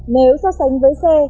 nếu so sánh với xe